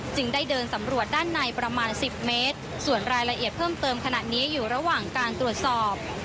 ได้เดินสำรวจด้านในประมาณสิบเมตรส่วนรายละเอียดเพิ่มเติมขณะนี้อยู่ระหว่างการตรวจสอบ